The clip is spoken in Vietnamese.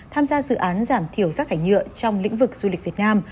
tham gia dự án giảm thiểu rác thải nhựa trong lĩnh vực du lịch việt nam